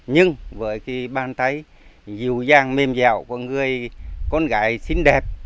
nhưng với cái bàn tay dịu dàng mềm dẻo của người con gái xinh đẹp